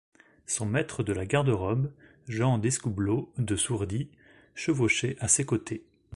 Son maître de la garde-robe, Jean d’Escoubleau de Sourdis, chevauchait à ses côtés.